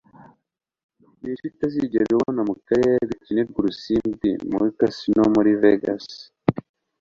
Niki utazigera ubona mukarere gakinirwa urusimbi ka Casino Muri Vegas